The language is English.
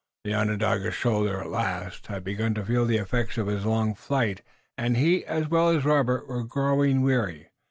The Onondaga's shoulder, at last, had begun to feel the effects of his long flight, and he, as well as Robert, was growing weary.